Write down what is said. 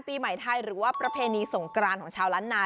ปีใหม่ไทยหรือว่าประเพณีสงกรานของชาวล้านนา